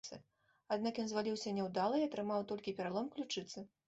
Аднак ён зваліўся няўдала і атрымаў толькі пералом ключыцы.